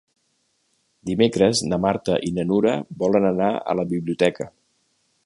Dimecres na Marta i na Nura volen anar a la biblioteca.